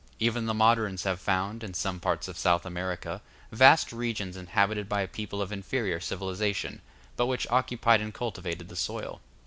Even the moderns have found, in some parts of South America, vast regions inhabited by a people of inferior civilization, but which occupied and cultivated the soil.